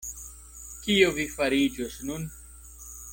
Kio vi fariĝos nun?